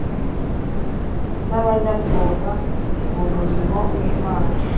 n’abanyabwoba mu murimo w’Imana!